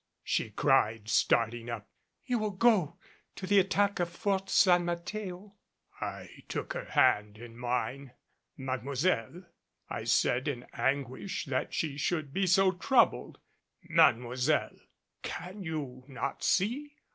she cried, starting up. "You will go to the attack of Fort San Mateo?" I took her hand in mine. "Mademoiselle," I said, in anguish that she should be so troubled, "Mademoiselle! Can you not see?